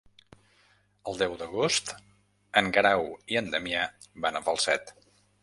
El deu d'agost en Guerau i en Damià van a Falset.